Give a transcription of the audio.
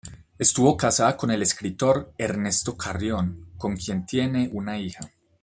Estuvo casada con el escritor Ernesto Carrión, con quien tiene una hija.